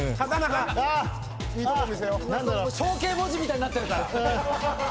象形文字みたいになってるから。